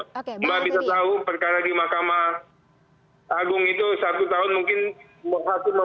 cuma bisa tahu perkara di mahkamah agung itu satu tahun mungkin memutus dua ribu perkara